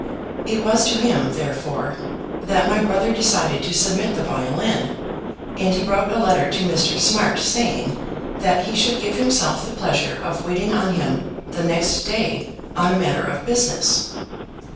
It was to him, therefore, that my brother decided to submit the violin, and he wrote a letter to Mr. Smart saying that he should give himself the pleasure of waiting on him the next day on a matter of business.